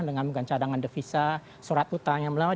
dengan cadangan devisa surat utang yang melalui